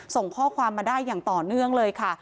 ส่งข้อความมาได้อย่างต่อเนื่องเลยค่ะ